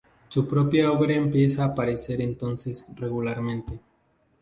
Su propia obra empieza a aparecer entonces regularmente.